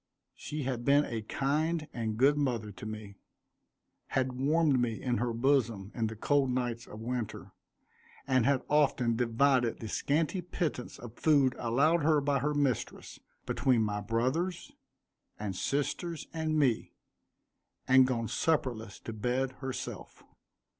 She had been a kind and good mother to me; had warmed me in her bosom in the cold nights of winter; and had often divided the scanty pittance of food allowed her by her mistress, between my brothers, and sisters, and me, and gone supperless to bed herself.